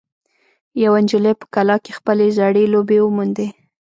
یوه نجلۍ په کلا کې خپلې زړې لوبې وموندې.